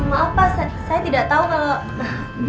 maaf pak saya tidak tahu kalau